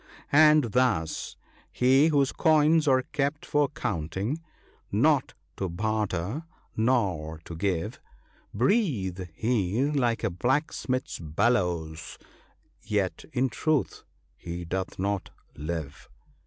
And thus — 44 He whose coins are kept for counting, not to barter nor to give, Breathe he like a blacksmith's bellows ( 33 ), yet in tiuth he doth not live."